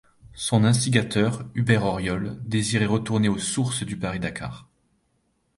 Son instigateur, Hubert Auriol, désirait retourner aux sources du Paris-Dakar.